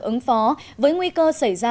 ứng phó với nguy cơ xảy ra